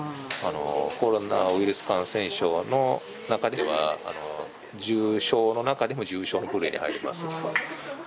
コロナウイルス感染症の中では重症の中でも重症の部類に入ります。